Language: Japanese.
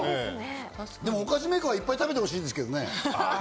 でも、お菓子メーカーはいっぱい食べてほしいですけどね。